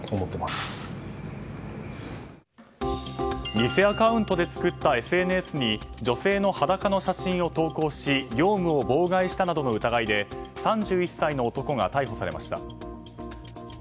偽アカウントで作ったＳＮＳに女性の裸の写真を投稿し業務を妨害したなどの疑いで３１歳の男が逮捕されました。